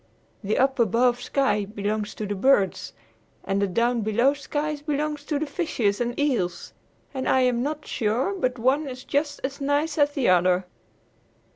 The up above sky belongs to the birds and the down below sky belongs to the fishes and eels. And I am not sure but one is just as nice as the other."